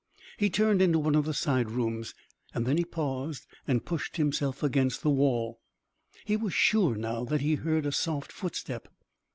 He turned into one of the side rooms, and then he paused and pushed himself against the wall. He was sure now that he heard a soft footstep.